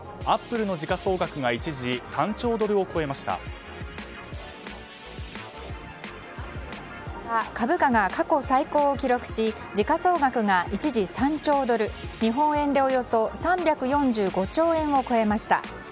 アップルは３日株価が過去最高を記録し時価総額が一時３兆ドル、日本円でおよそ３４５兆円を超えました。